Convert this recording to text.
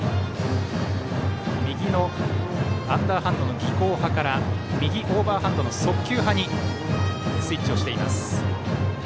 右のアンダーハンドの技巧派から右オーバーハンドの速球派にスイッチしています。